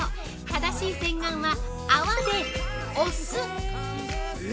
正しい洗顔は泡で押す。